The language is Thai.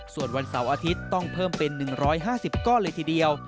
ส่วนวันเสาร์อาทิตย์ต้องเพิ่มเป็น๑๕๐ก้อนเลยทีเดียว